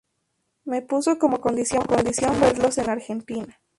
Me puso como condición verlos en Argentina".